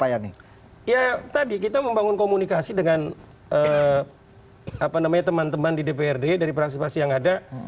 ya tadi kita membangun komunikasi dengan teman teman di dprd dari partisipasi yang ada